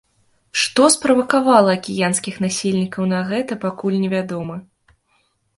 Што справакавала акіянскіх насельнікаў на гэта, пакуль не вядома.